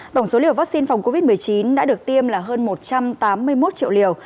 tổng số liều vaccine phòng covid một mươi chín đã được tiêm là hơn một trăm tám mươi một triệu liều